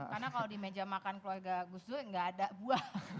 karena kalau di meja makan keluarga gus dur gak ada buah